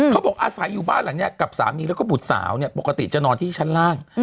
เขาบอกอาศัยอยู่บ้านหลังนี้กับสามีแล้วก็บุตรสาวเนี่ยปกติจะนอนที่ชั้นล่าง